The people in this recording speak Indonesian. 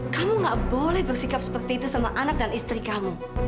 kamu gak boleh bersikap seperti itu sama anak dan istri kamu